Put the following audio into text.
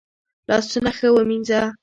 لاسونه ښه ومینځه.